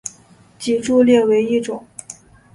脊柱裂为一种。